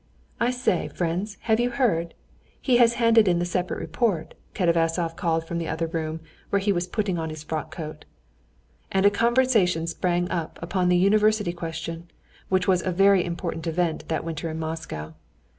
"I say, friends, have you heard? He has handed in the separate report," Katavasov called from the other room, where he was putting on his frock coat. And a conversation sprang up upon the university question, which was a very important event that winter in Moscow.